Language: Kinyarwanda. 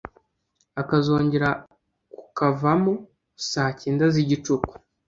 akazongera kukavamo saa cyenda z’igicuku